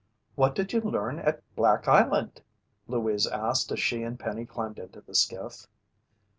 "What did you learn at Black Island?" Louise asked as she and Penny climbed into the skiff.